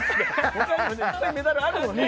他にもいっぱいメダルあるのに。